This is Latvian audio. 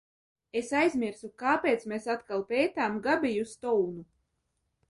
Es aizmirsu, kāpēc mēs atkal pētām Gabiju Stounu?